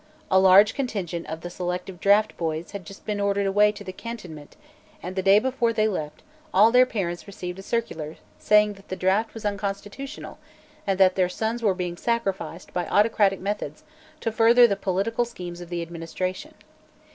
A large contingent of the selective draft boys had just been ordered away to the cantonment and the day before they left all their parents received a circular saying that the draft was unconstitutional and that their sons were being sacrificed by autocratic methods to further the political schemes of the administration.